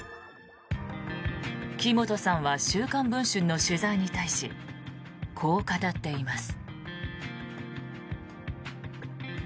木本さんは「週刊文春」の取材に対しこう語っています。